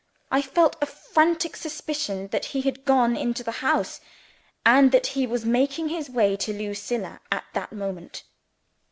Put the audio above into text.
I felt a frantic suspicion that he had gone into the house, and that he was making his way to Lucilla at that moment.